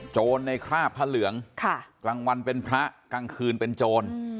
โจรในคราบพระเหลืองกลางวันเป็นพระกลางคืนเป็นโจร